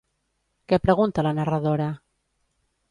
Què pregunta la narradora?